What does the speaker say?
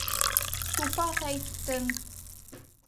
Тупаҫ әйттең.